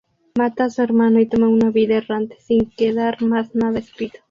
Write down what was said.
Mata a su hermano y toma una vida errante, sin quedar más nada escrito.